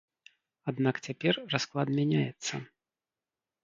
Аднак цяпер расклад мяняецца.